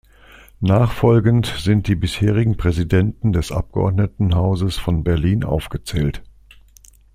Nachfolgend sind die bisherigen Präsidenten des Abgeordnetenhauses von Berlin aufgezählt.